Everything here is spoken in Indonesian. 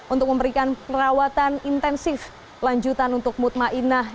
untuk memberikan perawatan intensif lanjutan untuk mutma inah